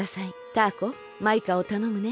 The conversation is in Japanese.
タアコマイカをたのむね。